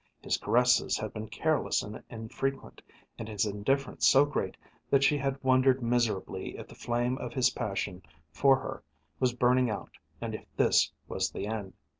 His caresses had been careless and infrequent, and his indifference so great that she had wondered miserably if the flame of his passion for her was burning out and if this was the end.